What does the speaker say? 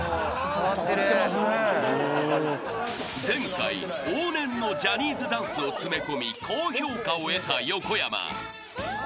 ［前回往年のジャニーズダンスを詰め込み高評価を得た横山］